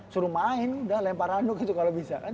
suruh main udah lempar randuk gitu kalau bisa kan